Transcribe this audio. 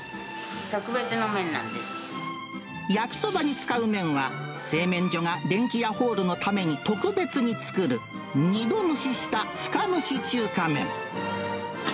焼きそばに使う麺は、製麺所がデンキヤホールのために特別に作る、２度蒸しした深蒸し中華麺。